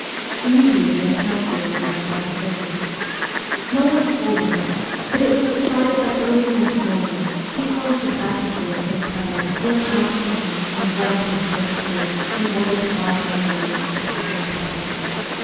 Imme diately a council was held by the servants. No one CHILDHOOD 23 scolded us ; but it was decided that early next morning Tikhon should at his risk and peril slip out of the house and run to the Smiths' Bridge in order to buy another lamp of the same pattern.